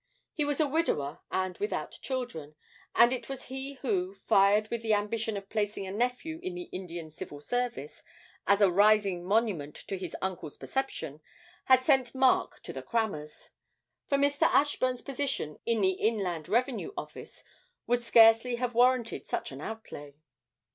He was a widower and without children, and it was he who, fired with the ambition of placing a nephew in the Indian Civil Service as a rising monument to his uncle's perception, had sent Mark to the crammer's for Mr. Ashburn's position in the Inland Revenue Office would scarcely have warranted such an outlay.